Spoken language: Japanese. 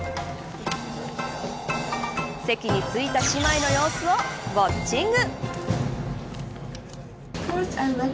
席に着いた姉妹の様子をウオッチング。